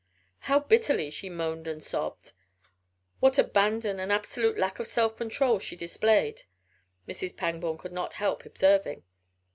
How bitterly she moaned and sobbed! What abandon and absolute lack of self control she displayed, Mrs. Pangborn could not help observing.